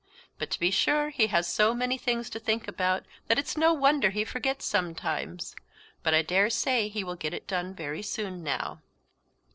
But, to be sure, he has so many things to think about that it's no wonder he forgets sometimes; but I daresay he will get it done very soon now."